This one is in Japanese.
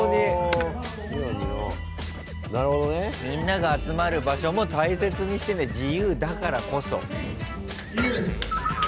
みんなが集まる場所も大切にしてね自由だからこそ。